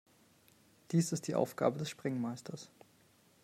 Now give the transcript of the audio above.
Dies ist die Aufgabe des Sprengmeisters.